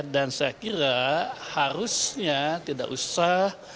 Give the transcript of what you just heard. dan saya kira harusnya tidak usah